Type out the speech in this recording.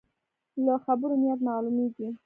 له خبرو نیت معلومېږي.